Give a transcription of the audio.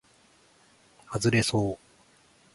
はずれそう